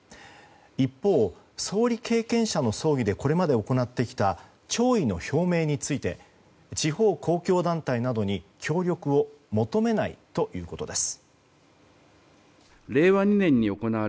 一方、総理経験者の葬儀でこれまで行ってきた弔意の表明について地方公共団体などに協力を求めないということです。